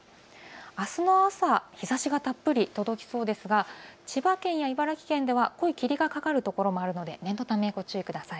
あすの朝、日ざしがたっぷり届きそうですが千葉県や茨城県では濃い霧がかかるところもあるので念のためご注意ください。